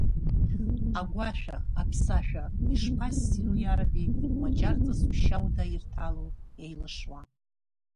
Агәашәа, аԥсашәа ишԥассиру иараби, маҷарҵас ушьа-уда ирҭало еилашуа.